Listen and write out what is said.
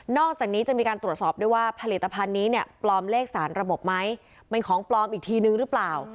อกจากนี้จะมีการตรวจสอบด้วยว่าผลิตภัณฑ์นี้เนี่ยปลอมเลขสารระบบไหมเป็นของปลอมอีกทีนึงหรือเปล่า